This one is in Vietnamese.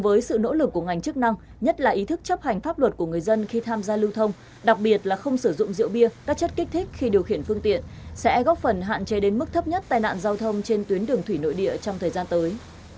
với sự nỗ lực của ngành chức năng nhất là ý thức chấp hành pháp luật của người dân khi tham gia lưu thông đặc biệt là không sử dụng rượu bia các chất kích thích khi điều khiển phương tiện sẽ góp phần hạn chế đến mức thấp nhất tai nạn giao thông trên tuyến đường thủy nội địa trong thời gian tới